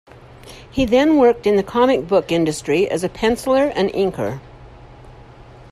He then worked in the comic book industry as a penciller and inker.